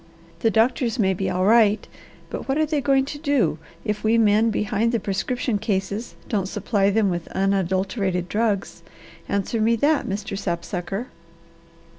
The doctors may be all right, but what are they going to do if we men behind the prescription cases don't supply them with unadulterated drugs. Answer me that, Mr. Sapsucker.